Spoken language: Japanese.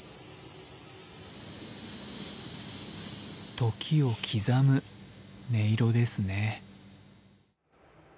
時を刻む音色ですね。